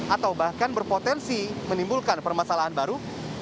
atau bahkan berpotensi menimbulkan permasalahan baru